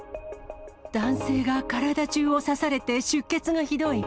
男性が体中を刺されて出血がひどい。